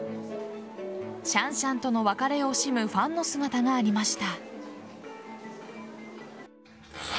シャンシャンとの別れを惜しむファンの姿がありました。